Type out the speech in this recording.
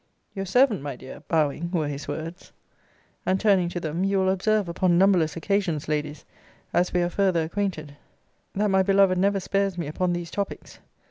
Your servant, my dear, bowing, were his words; and turning to them, you will observe upon numberless occasions, ladies, as we are further acquainted, that my beloved never spares me upon these topics.